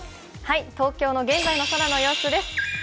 東京の現在の空の様子です。